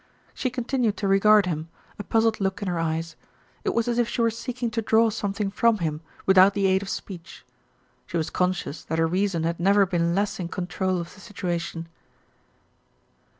She continued to regard him, a puzzled look in her eyes. It was as if she were seeking to draw something from him without the aid of speech. She was conscious that her reason had never been less in control of the situation.